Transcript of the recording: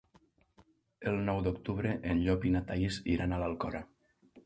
El nou d'octubre en Llop i na Thaís iran a l'Alcora.